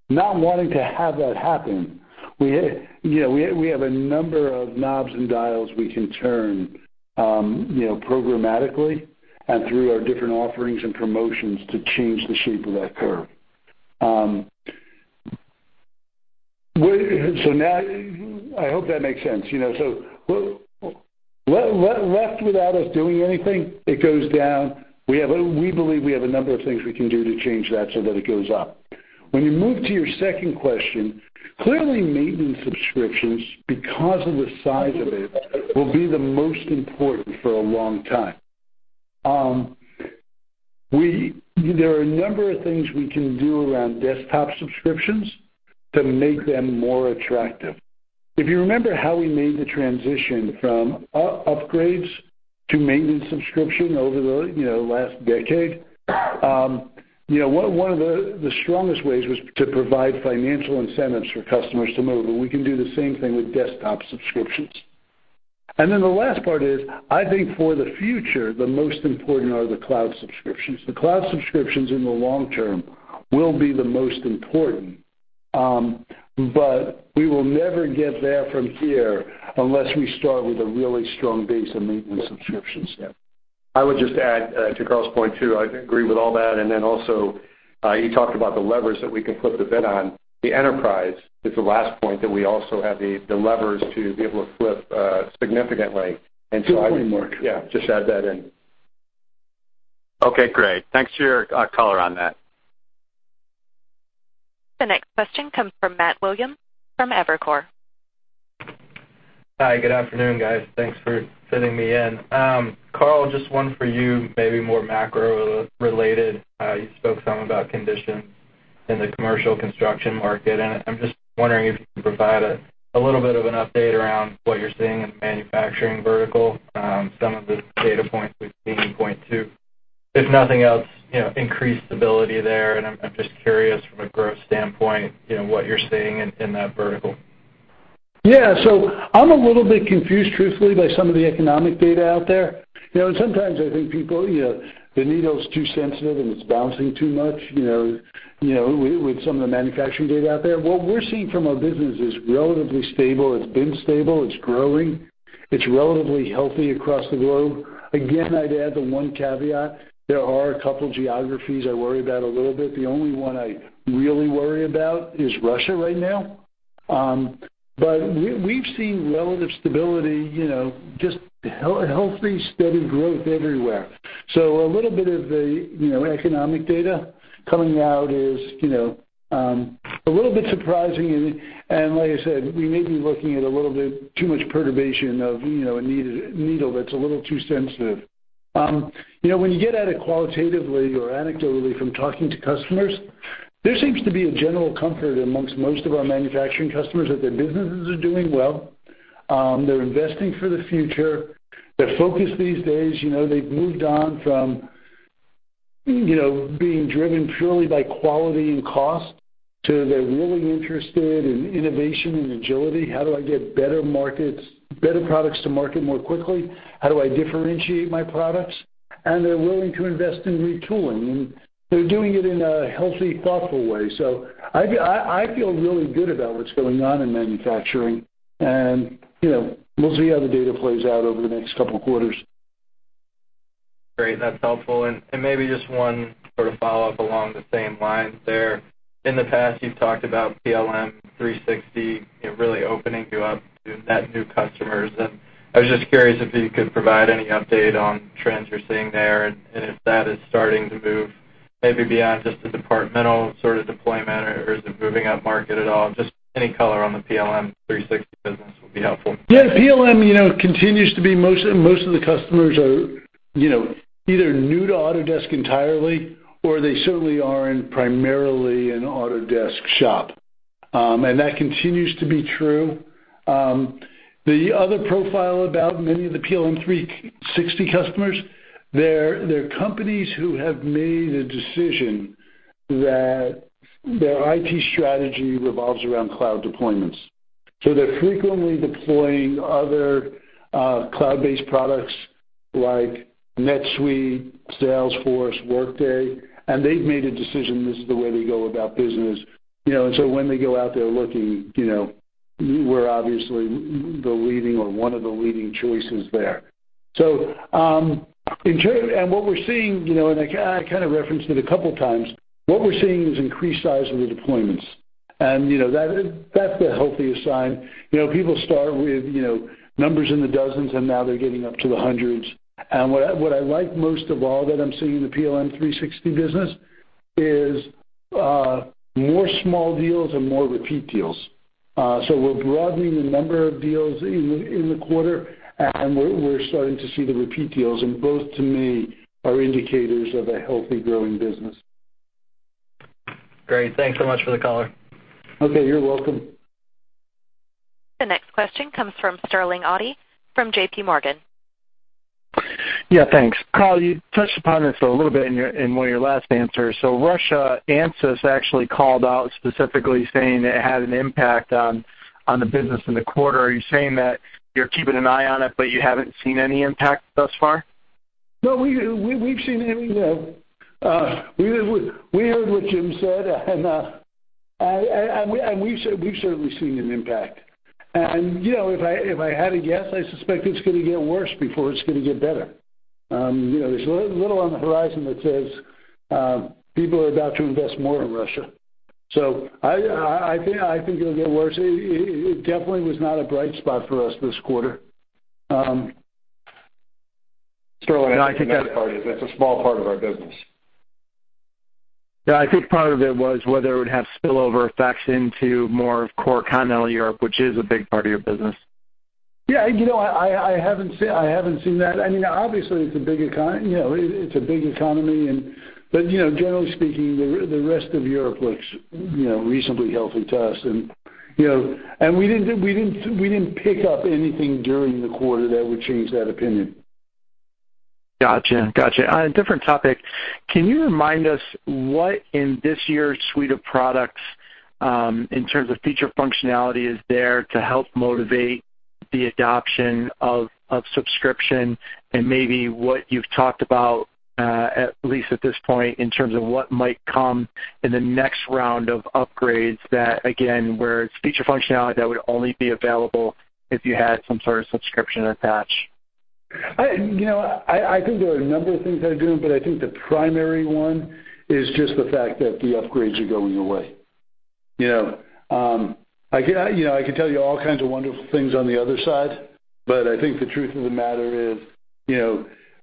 Not wanting to have that happen, we have a number of knobs and dials we can turn programmatically and through our different offerings and promotions to change the shape of that curve. I hope that makes sense. Left without us doing anything, it goes down. We believe we have a number of things we can do to change that so that it goes up. When you move to your second question, clearly maintenance subscriptions, because of the size of it, will be the most important for a long time. There are a number of things we can do around desktop subscriptions to make them more attractive. If you remember how we made the transition from upgrades to maintenance subscriptions over the last decade, one of the strongest ways was to provide financial incentives for customers to move, and we can do the same thing with desktop subscriptions. The last part is, I think for the future, the most important are the cloud subscriptions. The cloud subscriptions in the long term will be the most important. We will never get there from here unless we start with a really strong base of maintenance subscriptions. I would just add to Carl's point, too. I agree with all that. Also, he talked about the levers that we can flip the bid on. The enterprise is the last point that we also have the levers to be able to flip significantly. Do it, Mark. Yeah, just add that in. Okay, great. Thanks for your color on that. The next question comes from Matt Williams from Evercore. Hi, good afternoon, guys. Thanks for fitting me in. Carl, just one for you, maybe more macro-related. You spoke some about conditions in the commercial construction market. I'm just wondering if you can provide a little bit of an update around what you're seeing in the manufacturing vertical. Some of the data points we've seen point to, if nothing else, increased stability there. I'm just curious from a growth standpoint, what you're seeing in that vertical. Yeah. I'm a little bit confused, truthfully, by some of the economic data out there. Sometimes I think people, the needle's too sensitive, and it's bouncing too much with some of the manufacturing data out there. What we're seeing from our business is relatively stable. It's been stable. It's growing. It's relatively healthy across the globe. Again, I'd add the one caveat. There are a couple geographies I worry about a little bit. The only one I really worry about is Russia right now. We've seen relative stability, just healthy, steady growth everywhere. A little bit of the economic data coming out is a little bit surprising. Like I said, we may be looking at a little bit too much perturbation of a needle that's a little too sensitive. When you get at it qualitatively or anecdotally from talking to customers, there seems to be a general comfort amongst most of our manufacturing customers that their businesses are doing well. They're investing for the future. Their focus these days, they've moved on from being driven purely by quality and cost to, they're really interested in innovation and agility. How do I get better products to market more quickly? How do I differentiate my products? They're willing to invest in retooling, and they're doing it in a healthy, thoughtful way. I feel really good about what's going on in manufacturing, and we'll see how the data plays out over the next couple of quarters. Great. That's helpful. Maybe just one sort of follow-up along the same lines there. In the past, you've talked about PLM 360 really opening you up to net new customers, and I was just curious if you could provide any update on trends you're seeing there and if that is starting to move maybe beyond just the departmental sort of deployment, or is it moving up market at all? Just any color on the PLM 360 business would be helpful. Yeah. PLM. Most of the customers are either new to Autodesk entirely, or they certainly are in primarily an Autodesk shop. That continues to be true. The other profile about many of the PLM 360 customers, they're companies who have made a decision that their IT strategy revolves around cloud deployments. They're frequently deploying other cloud-based products like NetSuite, Salesforce, Workday, and they've made a decision this is the way they go about business. When they go out there looking, we're obviously the leading or one of the leading choices there. What we're seeing, and I kind of referenced it a couple of times, what we're seeing is increased size of the deployments, and that's the healthiest sign. People start with numbers in the dozens, and now they're getting up to the hundreds. What I like most of all that I'm seeing in the PLM 360 business is more small deals and more repeat deals. We're broadening the number of deals in the quarter, and we're starting to see the repeat deals, and both, to me, are indicators of a healthy, growing business. Great. Thanks so much for the color. Okay. You're welcome. The next question comes from Sterling Auty from J.P. Morgan. Yeah, thanks. Carl, you touched upon this a little bit in one of your last answers. Russia, Ansys actually called out specifically saying it had an impact on the business in the quarter. Are you saying that you're keeping an eye on it, but you haven't seen any impact thus far? No, we heard what Jim said, and we've certainly seen an impact. If I had to guess, I suspect it's going to get worse before it's going to get better. There's little on the horizon that says people are about to invest more in Russia. I think it'll get worse. It definitely was not a bright spot for us this quarter. Sterling, I think that part is it's a small part of our business. Yeah, I think part of it was whether it would have spillover effects into more of core continental Europe, which is a big part of your business. Yeah. I haven't seen that. Obviously, it's a big economy. Generally speaking, the rest of Europe looks reasonably healthy to us, and we didn't pick up anything during the quarter that would change that opinion. Gotcha. On a different topic, can you remind us what in this year's suite of products, in terms of feature functionality, is there to help motivate the adoption of subscription and maybe what you've talked about, at least at this point, in terms of what might come in the next round of upgrades, that again, where it's feature functionality that would only be available if you had some sort of subscription attached? I think there are a number of things I'd do, but I think the primary one is just the fact that the upgrades are going away. I could tell you all kinds of wonderful things on the other side, but I think the truth of the matter is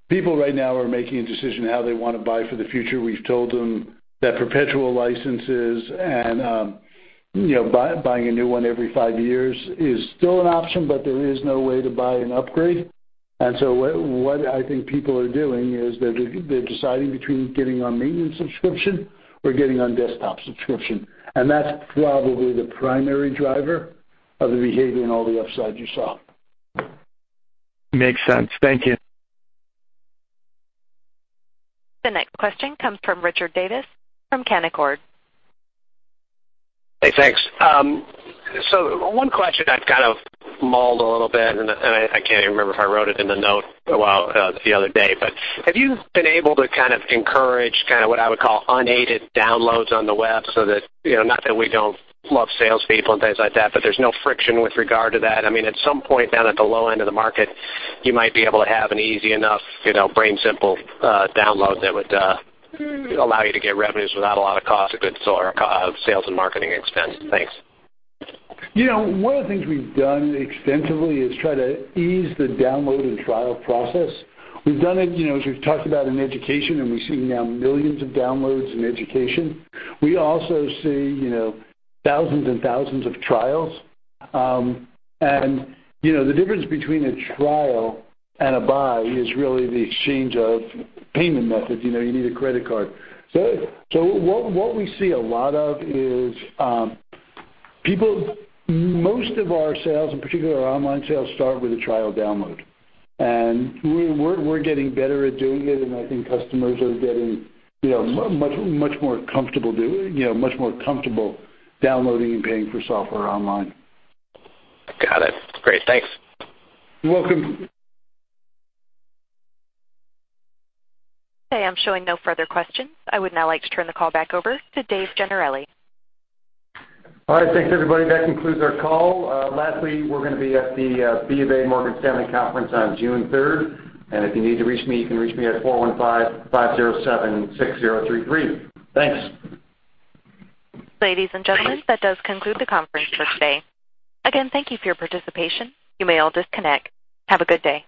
people right now are making a decision how they want to buy for the future. We've told them that perpetual licenses and buying a new one every five years is still an option, but there is no way to buy an upgrade. What I think people are doing is they're deciding between getting on maintenance subscription or getting on desktop subscription, and that's probably the primary driver of the behavior in all the upsides you saw. Makes sense. Thank you. The next question comes from Richard Davis from Canaccord. Hey, thanks. One question I've kind of mulled a little bit, and I can't even remember if I wrote it in the note the other day. Have you been able to kind of encourage kind of what I would call unaided downloads on the web? Not that we don't love salespeople and things like that, but there's no friction with regard to that. At some point down at the low end of the market, you might be able to have an easy enough brain-simple download that would allow you to get revenues without a lot of cost of goods or sales and marketing expense. Thanks. One of the things we've done extensively is try to ease the download and trial process. We've done it, as we've talked about in education, and we're seeing now millions of downloads in education. We also see thousands and thousands of trials. The difference between a trial and a buy is really the exchange of payment methods. You need a credit card. What we see a lot of is most of our sales, in particular our online sales, start with a trial download, and we're getting better at doing it, and I think customers are getting much more comfortable downloading and paying for software online. Got it. Great. Thanks. You're welcome. Okay, I'm showing no further questions. I would now like to turn the call back over to Dave Gennarelli. All right. Thanks, everybody. That concludes our call. Lastly, we're going to be at the [BofA] Morgan Stanley conference on June 3rd. If you need to reach me, you can reach me at 415-507-6033. Thanks. Ladies and gentlemen, that does conclude the conference for today. Again, thank you for your participation. You may all disconnect. Have a good day.